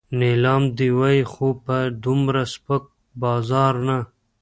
نیلام دې وای خو په دومره سپک بازار نه.